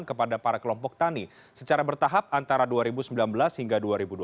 kepada para kelompok tani secara bertahap antara dua ribu sembilan belas hingga dua ribu dua puluh